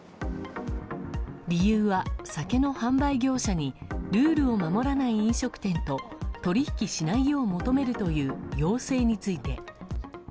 理由は、酒の販売業者にルールを守らない飲食店と取引しないよう求めるという要請について。